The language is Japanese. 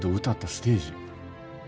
歌ったステージ。